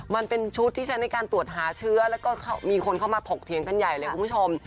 มันเป็นชุดที่ใช้ในการตรวจหาเชื้อแล้วก็มีคนเข้ามาถกเถียงกันใหญ่เลยคุณผู้ชม